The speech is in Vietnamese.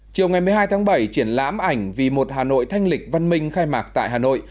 chiều ngày một mươi hai tháng bảy triển lãm ảnh vì một hà nội thanh lịch văn minh khai mạc tại hà nội